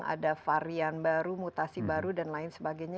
ada varian baru mutasi baru dan lain sebagainya